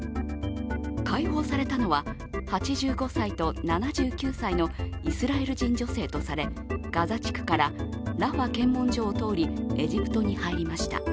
解放されたのは８５歳と７９歳のイスラエル人女性とされガザ地区からラファ検問所を通りエジプトに入りました。